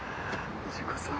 藤子さん！